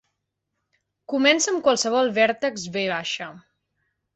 Comença amb qualsevol vèrtex "v".